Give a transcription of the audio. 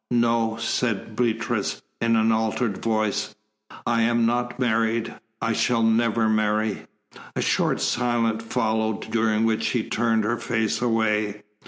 "No," said Beatrice, in an altered voice. "I am not married. I shall never marry." A short silence followed, during which she turned her face away.